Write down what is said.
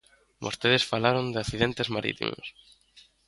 Vostedes falaron de accidentes marítimos.